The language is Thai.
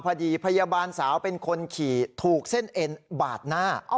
พอดีพยาบาลสาวเป็นคนขี่ถูกเส้นเอ็นบาดหน้า